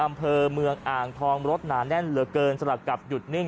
อำเภอเมืองอ่างทองรถหนาแน่นเหลือเกินสลับกับหยุดนิ่ง